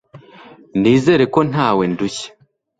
Nizere ko ntawe ndushya